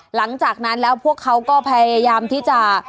หลังจากนั้นแล้วพวกเขาก็พยายามที่จะ